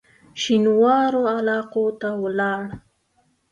شینوارو علاقو ته ولاړ.